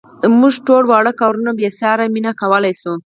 موږ ټول واړه کارونه په بې ساري مینه کولای شو.